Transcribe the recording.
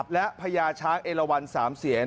และพญาช้างเอลวัน๓เสียน